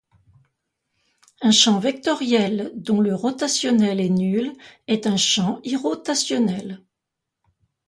Un champ vectoriel dont le rotationnel est nul, est un champ irrotationnel.